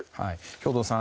兵頭さん